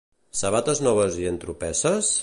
Sabates noves i entropesses?